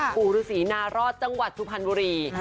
ปู่ฤษีนารอดจังหวัดสุพรรณบุรี